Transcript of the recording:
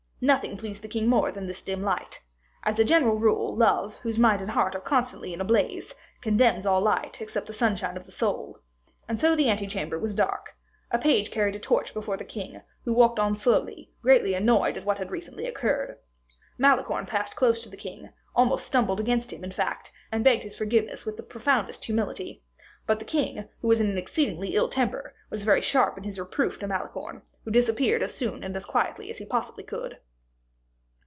Nothing pleased the king more than this dim light. As a general rule, love, whose mind and heart are constantly in a blaze, contemns all light, except the sunshine of the soul. And so the ante chamber was dark; a page carried a torch before the king, who walked on slowly, greatly annoyed at what had recently occurred. Malicorne passed close to the king, almost stumbled against him in fact, and begged his forgiveness with the profoundest humility; but the king, who was in an exceedingly ill temper, was very sharp in his reproof to Malicorne, who disappeared as soon and as quietly as he possibly could.